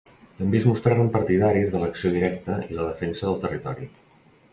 També es mostraren partidaris de l'acció directa i la defensa del territori.